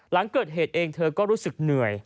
หลังเกิดเหตุเองเธอก็รู้สึกเหนื่อย